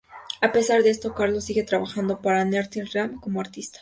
A pesar de esto Carlos sigue trabajando para NetherRealm como artista.